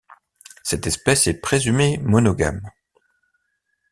Cette espèce est présumée monogame.